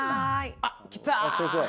あっ先生！